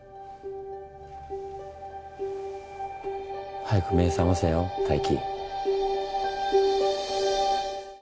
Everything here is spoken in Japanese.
早く目覚ませよ泰生。